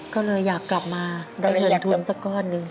ก็เลยอยากกลับมาได้เงินทุนสักก้อนหนึ่ง